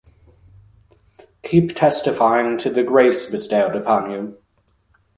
Keep testifying to the grace bestowed upon you.